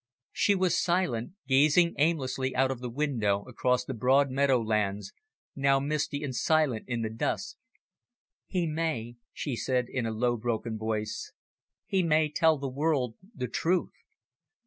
She was silent, gazing aimlessly out of the window across the broad meadow lands, now misty and silent in the dusk. "He may," she said, in a low, broken voice, "he may tell the world the truth!"